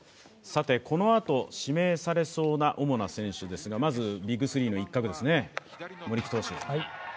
このあと、指名されそうな主な選手ですが、まずＢＩＧ３の一角ですね森木投手。